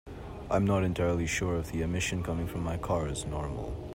I'm not entirely sure if the emission coming from my car is normal.